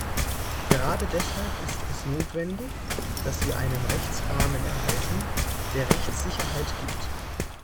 Gerade deshalb ist es notwendig, dass wir einen Rechtsrahmen erhalten, der Rechtssicherheit gibt.